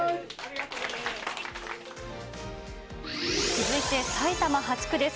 続いて埼玉８区です。